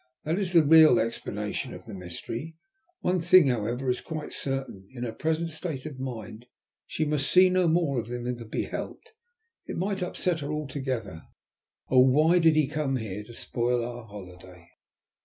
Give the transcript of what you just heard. That is the real explanation of the mystery. One thing, however, is quite certain; in her present state of mind she must see no more of him than can be helped. It might upset her altogether. Oh, why did he come here to spoil our holiday?"